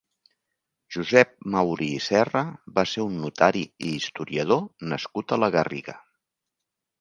Josep Maurí i Serra va ser un notari i historiador nascut a la Garriga.